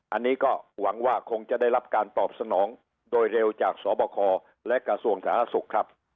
อันนี้ก็หวังว่าคงจะได้รับการตอบสนองโดยเร็วจากสบคและกระทรวงสาธารณสุขครับ